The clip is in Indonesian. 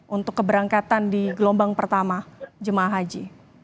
untuk keberangkatan di gelombang pertama jemaah haji